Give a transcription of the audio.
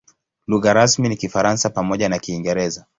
Lugha rasmi ni Kifaransa pamoja na Kiingereza.